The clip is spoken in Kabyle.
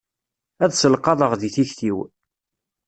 Ad selqaḍeɣ di tikti-w.